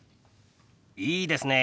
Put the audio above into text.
いいですねえ。